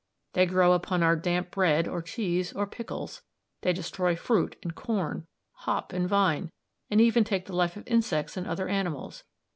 They grow on our damp bread, or cheese, or pickles; they destroy fruit and corn, hop and vine, and even take the life of insects and other animals.